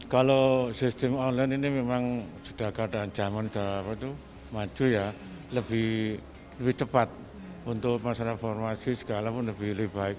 kalau sistem online ini memang sudah keadaan zaman sudah maju ya lebih cepat untuk masa reformasi segala pun lebih baik